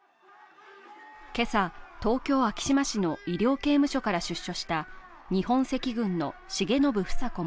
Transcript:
今朝、東京・昭島市の医療刑務所から出所した日本赤軍の重信房子